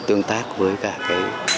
tương tác với cả cái